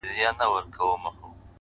• هغه په ژړا ستغ دی چي يې هيڅ نه ژړل،